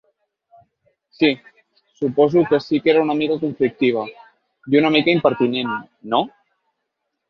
Sí… Suposo que sí que era conflictiva, i una mica impertinent, no?